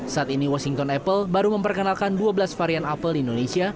saat ini washington apple baru memperkenalkan dua belas varian apple di indonesia